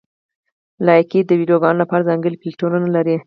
لایکي د ویډیوګانو لپاره ځانګړي فېلټرونه لري.